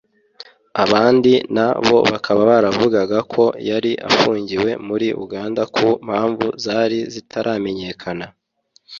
abandi na bo bakababaravugaga ko yari afungiwe muri Uganda ku mpamvu zari zitaramenyekana